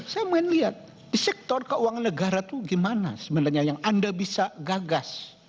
saya ingin lihat di sektor keuangan negara itu gimana sebenarnya yang anda bisa gagas